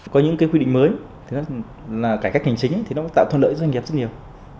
có những cái quy định mới là cải cách hành chính thì nó tạo thuận lợi cho doanh nghiệp rất nhiều